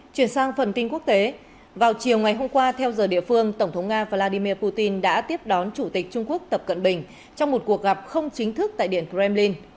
chuyển sang phần tin quốc tế vào chiều ngày hôm qua theo giờ địa phương tổng thống nga vladimir putin đã tiếp đón chủ tịch trung quốc tập cận bình trong một cuộc gặp không chính thức tại điện kremlin